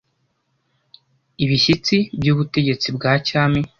ibishyitsi by' ubutegetsi bwa cyami